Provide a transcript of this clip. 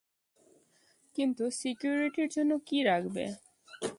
কিন্তু সিকিউরিটির জন্য কী রাখবে?